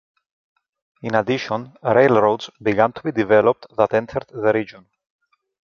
In addition, railroads began to be developed that entered the region.